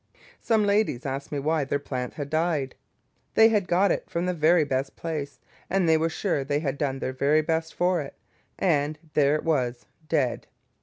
Some ladies asked me why their plant had died. They had got it from the very best place, and they were sure they had done their very best for it, and there it was, dead.